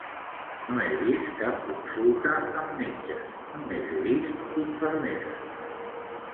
No he vist cap consulta amb metges, només he vist infermeres